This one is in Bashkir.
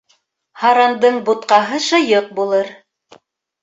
Һарандың бутҡаһы шыйыҡ булыр.